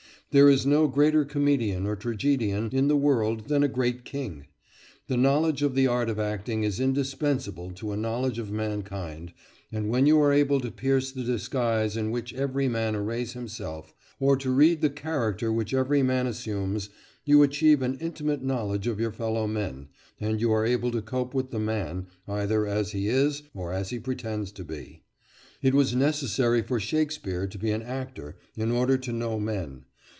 There is no greater comedian or tragedian in the world than a great king. The knowledge of the art of acting is indispensable to a knowledge of mankind, and when you are able to pierce the disguise in which every man arrays himself, or to read the character which every man assumes, you achieve an intimate knowledge of your fellow men, and you are able to cope with the man, either as he is, or as he pretends to be. It was necessary for Shakespeare to be an actor in order to know men.